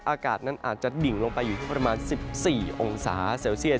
อากาศนั้นอาจจะดิ่งลงไปอยู่ที่ประมาณ๑๔องศาเซลเซียส